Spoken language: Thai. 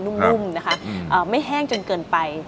นุ่มนะคะไม่แห้งจนเกินไป